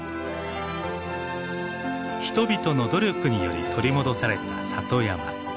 人々の努力により取り戻された里山。